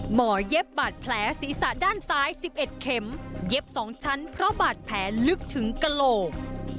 เย็บบาดแผลศีรษะด้านซ้าย๑๑เข็มเย็บ๒ชั้นเพราะบาดแผลลึกถึงกระโหลก